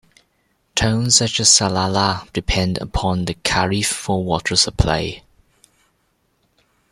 Towns such as Salalah depend upon the khareef for water supply.